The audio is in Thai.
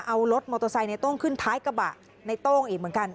เอารถมอเตอร์ไซค์ในโต้งขึ้นท้ายกระบะในโต้งอีกเหมือนกัน